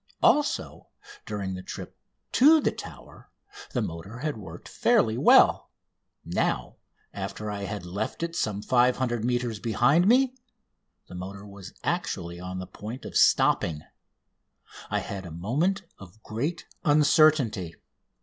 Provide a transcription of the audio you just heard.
Also, during the trip to the Tower the motor had worked fairly well. Now, after I had left it some 500 metres behind me, the motor was actually on the point of stopping. I had a moment of great uncertainty.